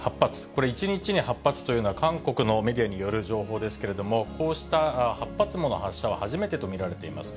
これ、１日に８発というのは韓国のメディアによる情報ですけれども、こうした８発もの発射は初めてと見られています。